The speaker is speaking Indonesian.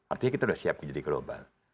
artinya kita sudah siap menjadi global